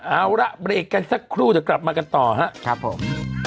เอาล่ะบริเวณกันสักครู่จะกลับมากันต่อครับ